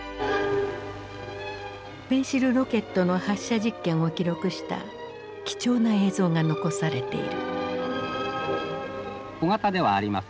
ペンシルロケットの発射実験を記録した貴重な映像が残されている。